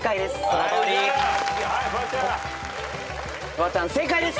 フワちゃん正解です。